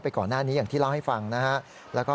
ก่อนหน้านี้อย่างที่เล่าให้ฟังนะครับ